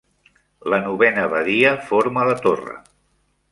La novena badia forma la torre.